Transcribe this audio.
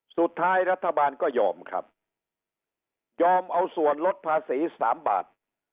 สุดท้ายรัฐบาลก็ยอมครับยอมเอาส่วนลดภาษีสามบาท